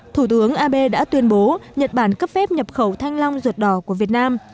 thủ tướng abe đã tuyên bố nhật bản cấp phép nhập khẩu thanh long ruột đỏ của việt nam